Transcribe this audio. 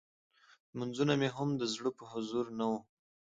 لمونځونه مې هم د زړه په حضور نه وو.